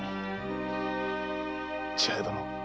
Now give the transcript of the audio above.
千早殿。